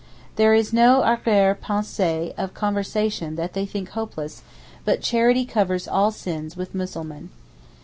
There is no arrière pensée of conversion that they think hopeless, but charity covers all sins with Muslimeen.